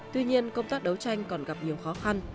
tuy nhiên công tác đấu tranh còn gặp nhiều khó khăn